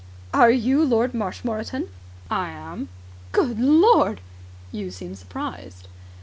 "Are you Lord Marshmoreton?" "I am." "Good Lord!" "You seem surprised."